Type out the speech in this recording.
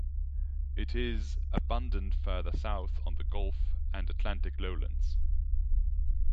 It is abundant further south on the Gulf and Atlantic lowlands.